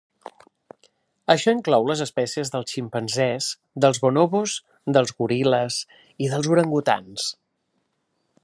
Això inclou les espècies dels ximpanzés, dels bonobos, dels goril·les i dels orangutans.